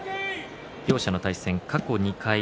両者の対戦、過去２回。